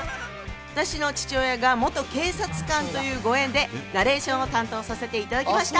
私の父親が元警察官というご縁でナレーションを担当させていただきました。